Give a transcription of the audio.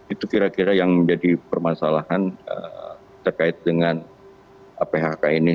itu kira kira yang menjadi permasalahan terkait dengan phk ini